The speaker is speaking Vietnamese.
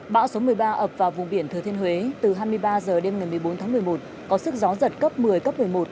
bão số một mươi ba ập vào vùng biển thừa thiên huế từ hai mươi ba h đêm ngày một mươi bốn tháng một mươi một có sức gió giật cấp một mươi cấp một mươi một